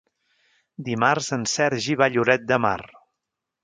Dimarts en Sergi va a Lloret de Mar.